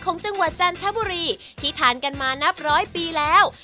ของจังหวัดจันทบุรีที่ทานกันมานับร้อยปีแล้ว